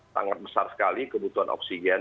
sangat besar sekali kebutuhan oksigen